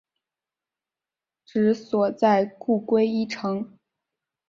治所在故归依城。